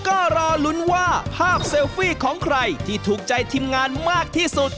ก็รอลุ้นว่าภาพเซลฟี่ของใครที่ถูกใจทีมงานมากที่สุด